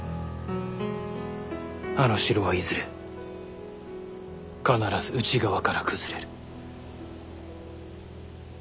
あの城はいずれ必ず内側から崩れる。